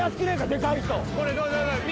でかい人緑？